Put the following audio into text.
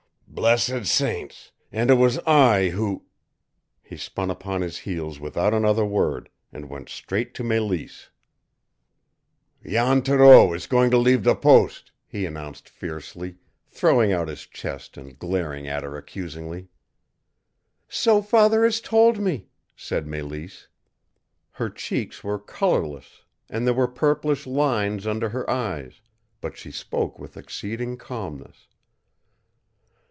"Blessed saints, and it was I who " He spun upon his heels without another word, and went straight to Mélisse. "Jan Thoreau is going to leave the post," he announced fiercely, throwing out his chest and glaring at her accusingly. "So father has told me," said Mélisse. Her cheeks were colorless, and there were purplish lines under her eyes, but she spoke with exceeding calmness.